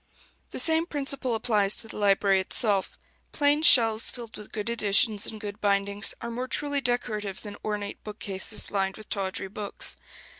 The same principle applies to the library itself: plain shelves filled with good editions in good bindings are more truly decorative than ornate bookcases lined with tawdry books.